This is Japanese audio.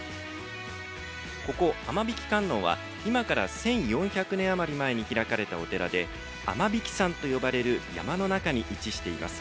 雨引観音は今から１４００年余り前に開かれたお寺で雨引山と呼ばれる山の中に位置しています。